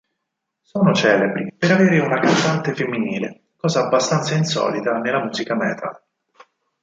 Sono celebri per avere una cantante femminile, cosa abbastanza insolita nella musica metal.